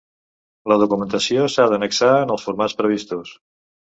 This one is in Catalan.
La documentació s'ha d'annexar en els formats previstos.